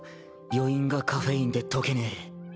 余韻がカフェインでとけねぇ。